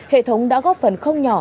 hệ thống đã góp phần không nhỏ